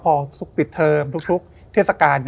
พอปิดเทอมทุกเทศกาล